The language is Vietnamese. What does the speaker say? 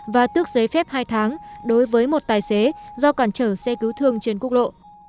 và tước giấy phép hai tháng đối với một tài xế do cản trở xe cứu thương trên quốc lộ